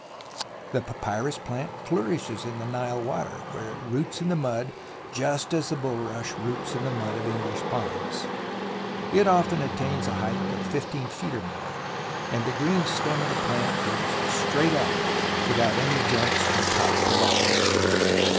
The papjnrus plant flourishes in the Nile water, where it roots in the mud just as the bulrush roots in the mud of English ponds. It often attains a height of 15 feet or more, and the green stem of the plant grows straight up without any joints from top to bottom.